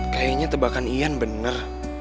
kayaknya tebakan ian bener